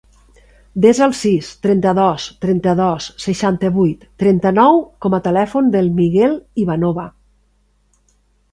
Desa el sis, trenta-dos, trenta-dos, seixanta-vuit, trenta-nou com a telèfon del Miguel Ivanova.